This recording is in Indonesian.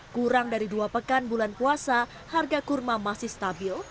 kurang dari dua pekan bulan puasa harga kurma masih stabil